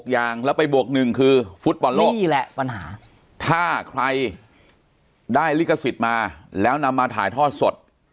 อย่างแล้วไปบวก๑คือฟุตบอลโลกนี่แหละปัญหาถ้าใครได้ลิขสิทธิ์มาแล้วนำมาถ่ายทอดสด